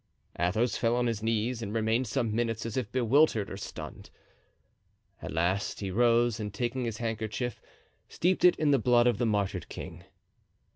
Athos fell on his knees and remained some minutes as if bewildered or stunned. At last he rose and taking his handkerchief steeped it in the blood of the martyred king.